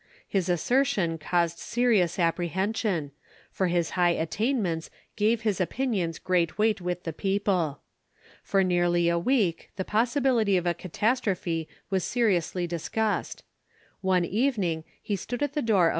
His assertion caused serious apprehension, for his high attainments gave his opinions great weight with the people. For nearly a week the possibility of a catastrophe was seriously discussed. One evening he stood at the door of M.